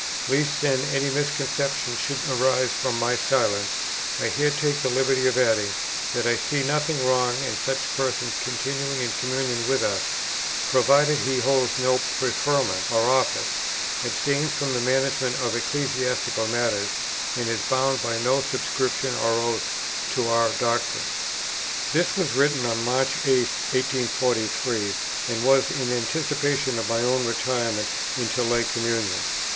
Lest then any misconception should arise from my silence, I here take the liberty of adding, that I see nothing wrong in such a person's continuing in communion with us, provided he holds no preferment or office, abstains from the management of ecclesiastical matters, and is bound by no subscription or oath to our doctrines." This was written on March 8, 1843, and was in anticipation of my own retirement into lay communion.